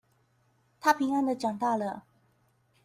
她平安的長大了